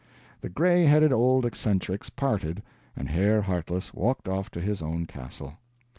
The gray headed old eccentrics parted, and Herr Heartless walked off to his own castle.